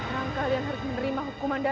dan yang akan dilakukannya